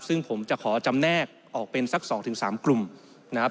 ซึ่งผมจะขอจำแนกออกเป็นสัก๒๓กลุ่มนะครับ